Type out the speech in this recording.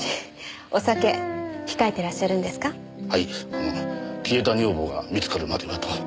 あの消えた女房が見つかるまではと。